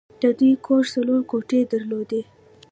د دوی کور څلور کوټې درلودې